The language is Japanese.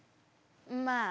まあ。